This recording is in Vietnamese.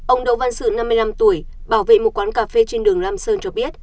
ông đỗ văn sự năm mươi năm tuổi bảo vệ một quán cà phê trên đường lam sơn cho biết